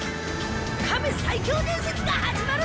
カメ最強伝説が始まるぜ！